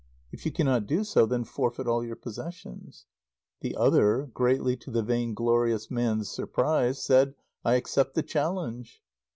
If you cannot do so, then forfeit all your possessions." The other (greatly to the vainglorious man's surprise) said: "I accept the challenge."